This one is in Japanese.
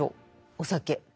お酒。